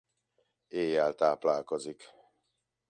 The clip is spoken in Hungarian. Éjjel táplálkozik.